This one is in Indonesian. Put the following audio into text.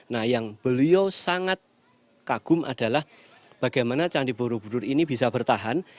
nah yang beliau sangat kagum adalah bagaimana candi borobudur ini bisa bertahan